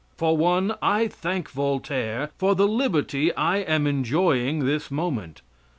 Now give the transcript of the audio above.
For one, I thank Voltaire for the liberty I am enjoying this moment.